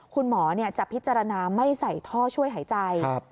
คุณหมอจะพิจารณาไม่ใส่ท่อช่วยหายใจ